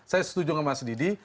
saya setuju sama mas didi